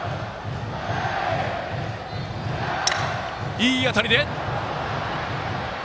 いい当たり！